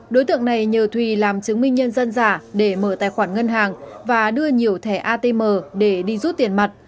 đối tượng này nhờ thùy làm chứng minh nhân dân giả để mở tài khoản ngân hàng và đưa nhiều thẻ atm để đi rút tiền mặt